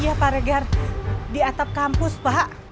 iya pak regar di atap kampus pak